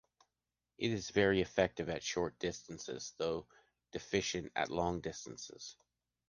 It is very effective at short distances, though deficient at long distances.